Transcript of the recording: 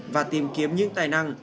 và tìm kiếm những tài năng